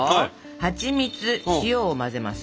はちみつ塩を混ぜます。